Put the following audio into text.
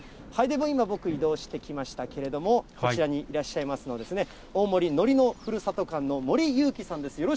僕、今、移動してきましたけれども、こちらにいらっしゃいますのが、大森海苔のふるさと館の森佑貴さんです。